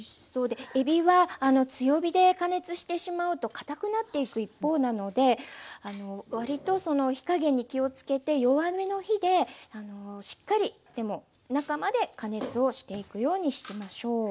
でえびは強火で加熱してしまうとかたくなっていく一方なので割と火加減に気をつけて弱めの火でしっかりでも中まで加熱をしていくようにしましょう。